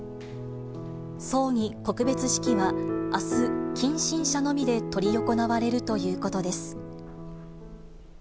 葬儀・告別式はあす、近親者のみで執り行われるということです。